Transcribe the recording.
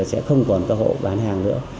sẽ không còn có hộ bán hàng nữa